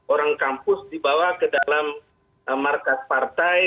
orang kampus dibawa ke dalam markas partai